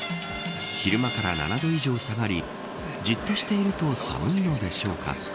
昼間から７度以上下がりじっとしていると寒いのでしょうか